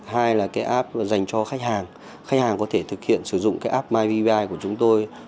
hai là cái app dành cho khách hàng khách hàng có thể thực hiện sử dụng cái app myvbbi của chúng tôi